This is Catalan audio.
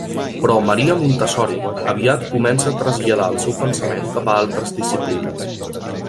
Però Maria Montessori aviat comença a traslladar el seu pensament cap a altres disciplines.